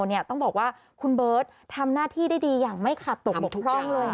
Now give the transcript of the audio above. เนี่ยต้องบอกว่าคุณเบิร์ตทำหน้าที่ได้ดีอย่างไม่ตกหลบพร้อม